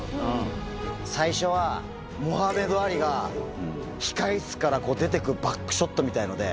最初は、モハメド・アリが控え室から出てくバックショットみたいので。